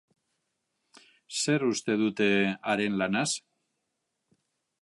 Zer uste dute haren lanaz?